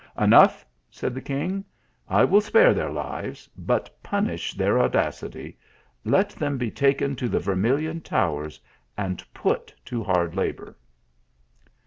" Enough," said the king ;" I will spare their lives, but punish their audacity let them be taken to the Vermilion towers and put to hard labour."